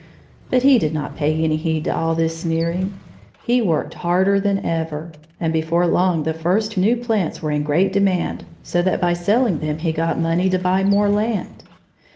But he did not pay any heed to all this sneering. He worked harder than ever. And before long, the first new plants were in great demand, so that by selling them he got money to buy more land.